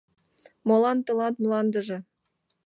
— Молан тылат мландыже?